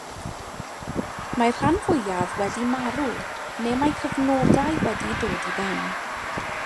Mae'r rhan fwyaf wedi marw neu mae'u cyfnodau wedi dod i ben.